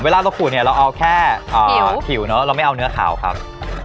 เวลาเราขูดเนี่ยเราเอาแค่ผิวเนอะเราไม่เอาเนื้อขาวครับ